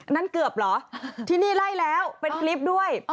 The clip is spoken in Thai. นั่นเกือบเหรอที่นี่ไล่แล้วเป็นคลิปด้วย